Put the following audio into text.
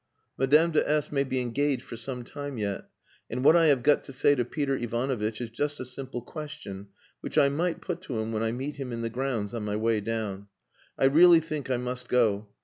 "Madame de S may be engaged for some time yet, and what I have got to say to Peter Ivanovitch is just a simple question which I might put to him when I meet him in the grounds on my way down. I really think I must go.